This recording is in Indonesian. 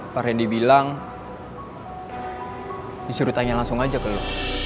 pak rendy bilang disuruh tanya langsung aja ke lo